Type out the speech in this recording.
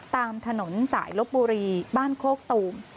ตามถนนสายลบบุรีบ้านโคกตูม